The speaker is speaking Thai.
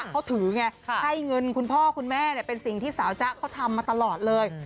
เขาถือไงให้เงินคุณพ่อคุณแม่เป็นสิ่งที่สาวจ๊ะเขาทำมาตลอดเลย